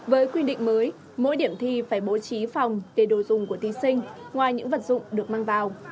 với quy định mới mỗi điểm thi phải bố trí phòng để đồ dùng của thí sinh ngoài những vật dụng được mang vào